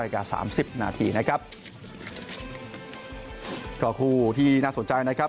สามสิบนาทีนะครับก็คู่ที่น่าสนใจนะครับ